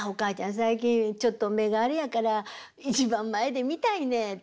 最近ちょっと目があれやから一番前で見たいねん」って。